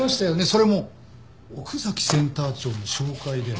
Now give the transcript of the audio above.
それも奥崎センター長の紹介で。